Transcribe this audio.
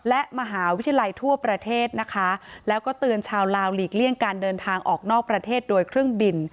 และมหาวิทยาลัยทั่วประเทศนะคะแล้วก็เตือนชาวลาวหลีกเลี่ยงการเดินทางออกนอกประเทศโดยเครื่องบิน